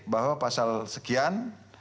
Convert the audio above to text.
bahwa pasal sekian